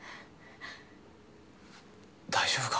大丈夫か？